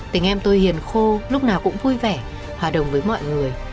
tình em tôi hiền khô lúc nào cũng vui vẻ hòa đồng với mọi người